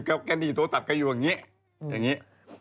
แกหนีโทรศัพท์ก็อยู่อย่างงี้